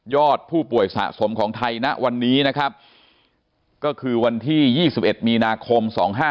อดผู้ป่วยสะสมของไทยณวันนี้นะครับก็คือวันที่๒๑มีนาคม๒๕๕๙